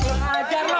aduh aku nggak ajar lo